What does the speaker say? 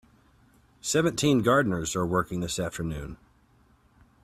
Seventeen gardeners are working this afternoon.